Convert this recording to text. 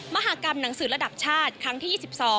มหากรรมหนังสือระดับชาติครั้งที่๒๒